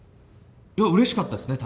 うれしかったですね